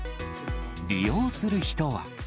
利用する人は。